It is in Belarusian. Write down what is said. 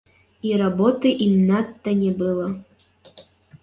І работы ім надта не было.